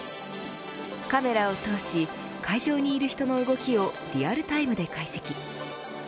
カメラを通し会場にいる人の動きをリアルタイムで解析。